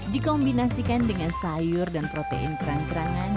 dikombinasikan dengan sayur dan protein kerang kerangan